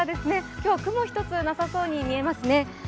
今日、雲一つなさそうに見えますね。